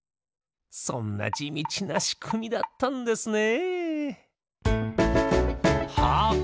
そんなじみちなしくみだったんですね。